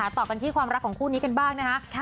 ต่อกันที่ความรักของคู่นี้กันบ้างนะคะ